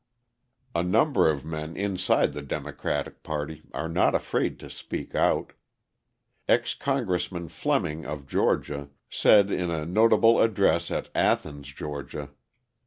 A number of men inside the Democratic party are not afraid to speak out. Ex Congressman Fleming of Georgia said in a notable address at Athens, Ga.